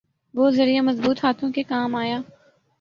وہ ذریعہ مضبوط ہاتھوں کے کام آیا۔